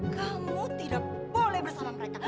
kamu tidak boleh bersama mereka